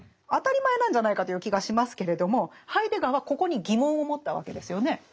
当たり前なんじゃないかという気がしますけれどもハイデガーはここに疑問を持ったわけですよね。